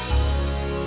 selamat pagi bu mariam